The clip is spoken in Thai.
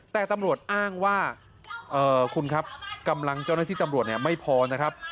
แต่ตำรวจอ้างว่าคุณครับกำลังเจ้าหน้าที่ตำรวจไม่พอนะครับ